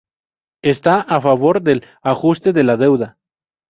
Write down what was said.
Está a favor del ajuste de la deuda.